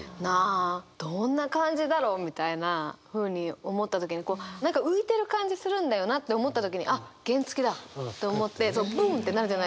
どんな感じだろうみたいなふうに思った時に何か浮いてる感じするんだよなって思った時にあっ原付だと思ってブンってなるじゃないですか。